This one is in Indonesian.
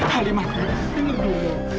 halimah denger dulu